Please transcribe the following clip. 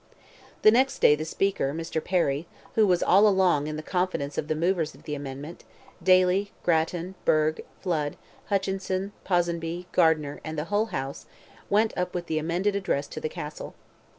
The next day the Speaker, Mr. Perry, who was all along in the confidence of the movers of the amendment, Daly, Grattan, Burgh, Flood, Hutchinson, Ponsonby, Gardiner, and the whole House, went up with the amended address to the castle.